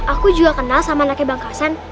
aku juga kenal sama anaknya bang kassen